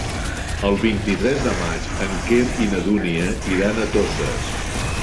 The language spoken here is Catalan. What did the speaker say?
El vint-i-tres de maig en Quer i na Dúnia iran a Toses.